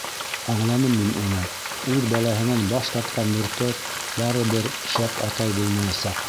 Аңланым мин уны, үҙ балаһынан баш тартҡан мөртәт барыбер шәп атай булмаясаҡ.